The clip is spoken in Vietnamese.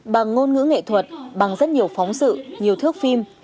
bằng ngôn ngữ nghệ thuật bằng rất nhiều phóng sự nhiều thước phim